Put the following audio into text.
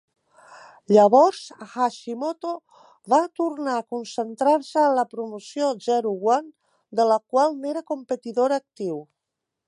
Llavors, Hashimoto va tornar a concentrar-se en la promoció Zero-One, de la qual n'era competidor actiu.